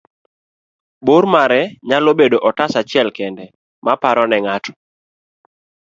bor mare nyalo bedo otas achiel kende ma paro ne ng'ato